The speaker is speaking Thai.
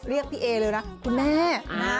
เรียกพี่เอเลยนะคุณแม่